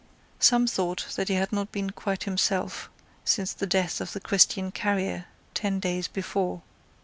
Some thought that he had not been quite himself since the death of the Christian carrier, ten days before.